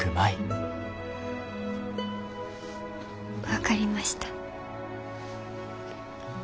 分かりました。